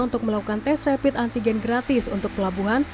untuk melakukan tes rapid antigen gratis untuk pelabuhan